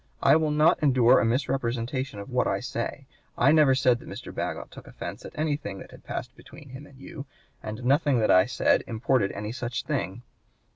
I will not endure a misrepresentation of what I say. I never said that Mr. Bagot took offence at anything that had passed between him and you; and nothing that I said imported any such thing.'